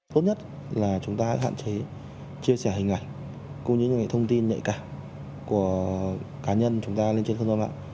tốt nhất là chúng ta hạn chế chia sẻ hình ảnh cũng như những cái thông tin nhạy cả của cá nhân chúng ta lên trên khuôn mặt